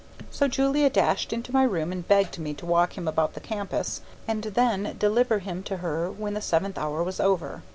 So Julia dashed into my room and begged me to walk him about the campus and then deliver him to her when the seventh hour was over.